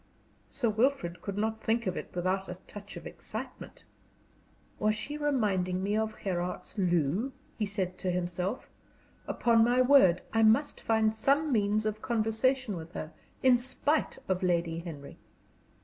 Sir Wilfrid could not think of it without a touch of excitement. "Was she reminding me of Gherardtsloo?" he said to himself. "Upon my word, I must find some means of conversation with her, in spite of Lady Henry."